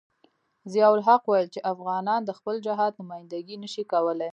ضیاء الحق ویل چې افغانان د خپل جهاد نمايندګي نشي کولای.